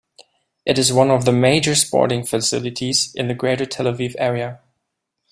It is one of the major sporting facilities in the Greater Tel-Aviv Area.